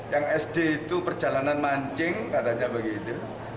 yang sd itu perjalanan mancing katanya begitu